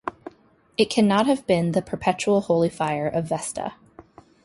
It cannot have been the perpetual holy fire of Vesta.